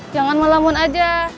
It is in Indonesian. jangan mau lamun aja